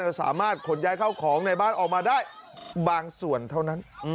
สามารถขนย้ายเข้าของในบ้านออกมาได้บางส่วนเท่านั้น